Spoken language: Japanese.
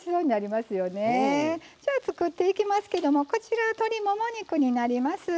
じゃあ作っていきますけどもこちら鶏もも肉になります。